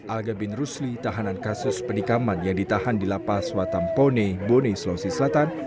alga bin rusli tahanan kasus penikaman yang ditahan di lapas watampone bone sulawesi selatan